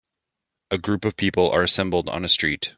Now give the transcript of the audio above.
A group of people are assembled on a street.